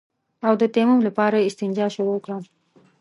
او د تيمم لپاره يې استنجا شروع کړه.